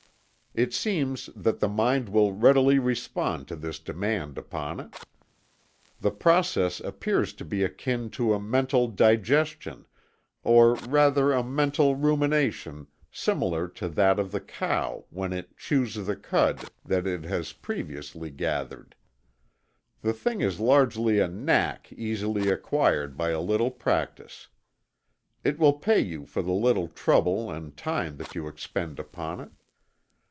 It seems that the mind will readily respond to this demand upon it. The process appears to be akin to a mental digestion, or rather a mental rumination, similar to that of the cow when it "chews the cud" that it has previously gathered. The thing is largely a "knack" easily acquired by a little practice. It will pay you for the little trouble and time that you expend upon it.